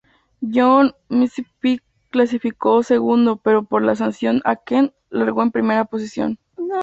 John McPhee clasificó segundo pero por la sanción a Kent largo en primera posición